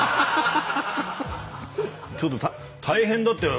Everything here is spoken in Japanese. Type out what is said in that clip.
ちょっと大変だったよ